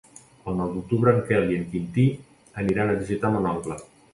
El nou d'octubre en Quel i en Quintí aniran a visitar mon oncle.